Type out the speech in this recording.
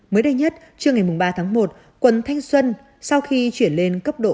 mới đây nhất trưa ngày ba tháng một quận thanh xuân sau khi chuyển lên cấp độ bốn